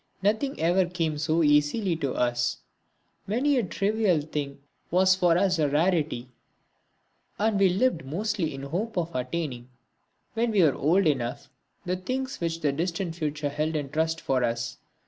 Nothing ever came so easily to us. Many a trivial thing was for us a rarity, and we lived mostly in the hope of attaining, when we were old enough, the things which the distant future held in trust for us.